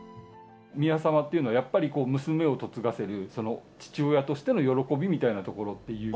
宮さまっていうのは、やっぱり娘を嫁がせる父親としての喜びみたいなところっていう。